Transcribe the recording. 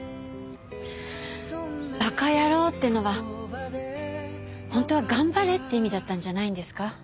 「馬鹿野郎」っていうのは本当は「頑張れ」って意味だったんじゃないんですか？